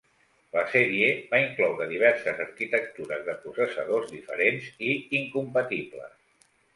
La sèrie va incloure diverses arquitectures de processadors diferents i incompatibles.